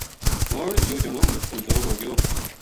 ہن یوہ جنو مُچ کمزور ہو گیو